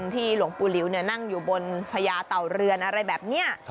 ที่หลวงปูริวเนี่ยนั่งอยู่บนพญาเต่าเรือนอะไรแบบเนี่ย